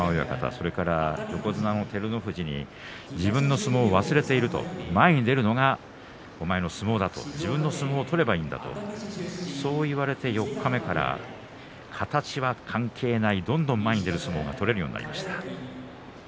それから横綱の照ノ富士に自分の相撲を忘れていると前に出るのがお前の相撲だと自分の相撲を取ればいいんだとそう言われて、四日目から形は関係ないどんどん前に出る相撲が取れるようになりました。